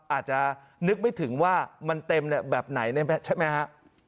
อาจจะนึกไม่ถึงว่ามันเต็มแบบไหนใช่ไหมฮะ